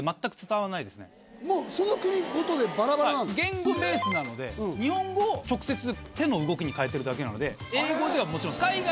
言語ベースなので日本語を直接手の動きにかえてるだけなので。